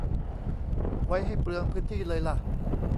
ไว้ให้เปลืองพื้นที่เลยล่ะ